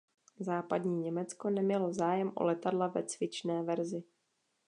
Západní Německo nemělo zájem o letadla ve cvičné verzi.